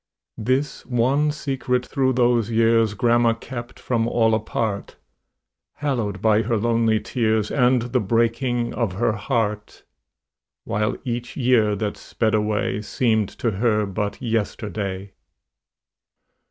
This one secret through those years Grandma kept from all apart, Hallowed by her lonely tears And the breaking of her heart; While each year that sped away Seemed to her but yesterday.